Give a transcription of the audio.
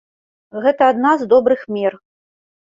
Гэта адна з добрых мер.